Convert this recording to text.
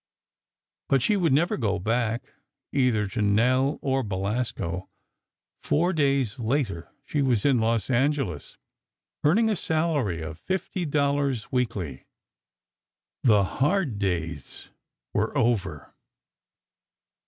But she would never go back—either to Nell, or Belasco. Four days later, she was in Los Angeles, earning a salary of fifty dollars weekly. The hard days were over.